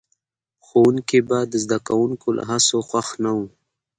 ښوونکي به د زده کوونکو له هڅو خوښ نه وو.